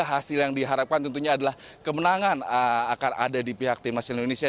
hasil yang diharapkan tentunya adalah kemenangan akan ada di pihak tim nasional indonesia